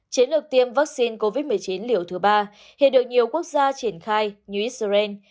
chiến lược tiêm vaccine covid một mươi chín liều thứ ba hiện được nhiều quốc gia triển khai như israel